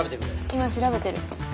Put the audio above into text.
今調べてる。